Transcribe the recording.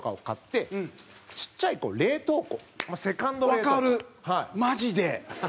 蛍原：わかる、マジで！